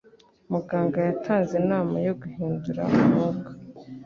Muganga yatanze inama yo guhindura umwuka.